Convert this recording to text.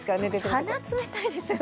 鼻が冷たいですよね。